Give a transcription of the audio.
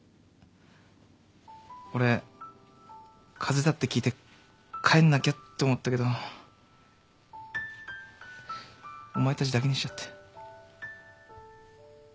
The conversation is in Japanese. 俺風邪だって聞いて帰んなきゃって思ったけどお前たちだけにしちゃって。